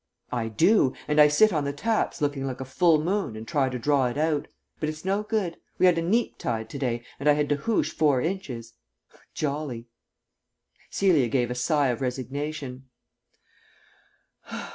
"I do. And I sit on the taps looking like a full moon and try to draw it out. But it's no good. We had a neap tide to day and I had to hoosh four inches. Jolly." Celia gave a sigh of resignation.